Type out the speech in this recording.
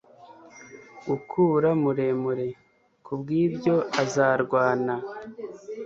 gukura muremure, kubwibyo azarwana